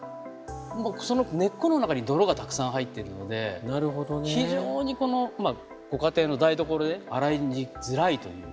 その根っこの中に泥がたくさん入っているので非常にこのまあご家庭の台所で洗いづらいという。